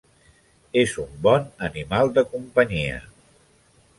És un bon animal de companyia.